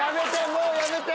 もうやめて！